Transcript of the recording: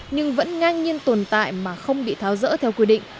nhưng vẫn ngang nhiên tồn tại mà không bị tháo rỡ theo quy định